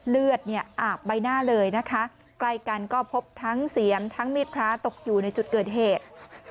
เลือดเนี่ยอาบใบหน้าเลยนะคะใกล้กันก็พบทั้งเสียมทั้งมีดพระตกอยู่ในจุดเกิดเหตุ